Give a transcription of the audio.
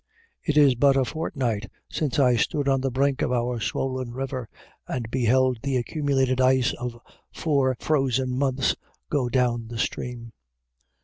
It is but a fortnight since I stood on the brink of our swollen river and beheld the accumulated ice of four frozen months go down the stream.